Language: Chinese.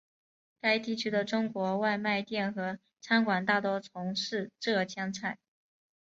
该地区的中国外卖店和餐馆大多从事浙江菜。